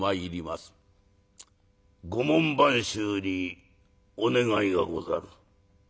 「ご門番衆にお願いがござる。